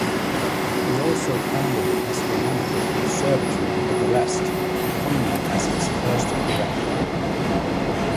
He also founded the Astronomical observatory in Bucharest, appointing as its first director.